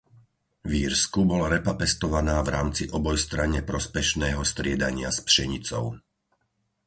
V Írsku bola repa pestovaná v rámci obojstranne prospešného striedania s pšenicou.